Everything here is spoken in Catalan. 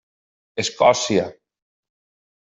Escòcia: